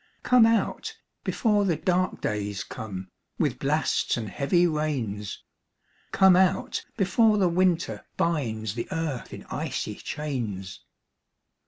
Come out, before the dark days come, With blasts and heavy rains : Come out, before the winter binds The earth in icy chains.